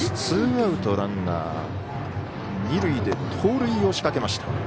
ツーアウト、ランナー、二塁で盗塁を仕掛けました。